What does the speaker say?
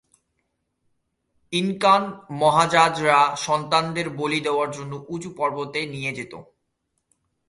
ইনকান মহাযাজকরা সন্তানদের বলি দেওয়ার জন্য উঁচু পর্বতে নিয়ে যেত।